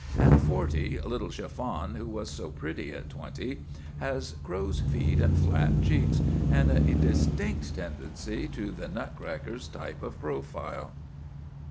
At forty, little Chiffon, who was so pretty at twenty, has crow's feet and flat cheeks, and a distinct tendency to the nut cracker type of profile.